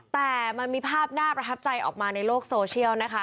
แต่มันมีภาพน่าประทับใจออกมาในโลกโซเชียลนะคะ